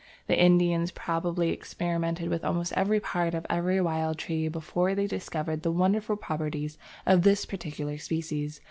The Indians probably experimented with almost every part of every wild tree before they discovered the wonderful properties of this particular species.